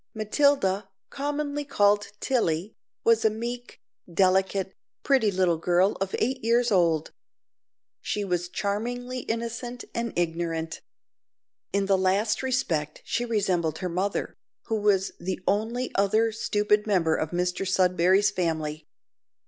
Matilda, commonly called Tilly, was a meek, delicate, pretty little girl of eight years old. She was charmingly innocent and ignorant. In the last respect she resembled her mother, who was the only other stupid member of Mr Sudberry's family.